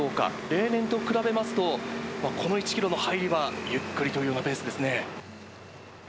例年と比べますと、この１キロの入りはゆっくりというようなペースですね。